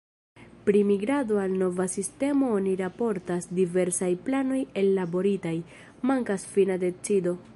Pri migrado al nova sistemo oni raportas ”Diversaj planoj ellaboritaj, mankas fina decido”.